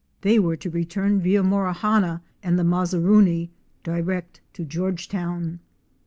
They were to return via Morawhanna and the " Mazaruni'' direct to Georgetown.